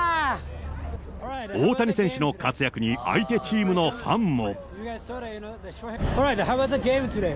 大谷選手の活躍に相手チームのファンも。